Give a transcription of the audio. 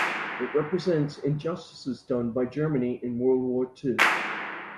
It represents injustices done by Germany in World War Two.